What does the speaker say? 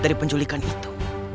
dari penculikan itu